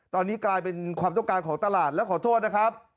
ตอนนี้กลายเป็นความต้องการของตลาดแล้วขอโทษนะครับ